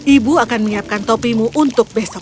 ibu akan menyiapkan topimu untuk besok